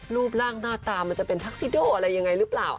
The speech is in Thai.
รูปร่างหน้าตามันจะเป็นทักซิโดอะไรยังไงหรือเปล่า